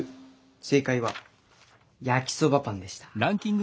正解は焼きそばパンでした。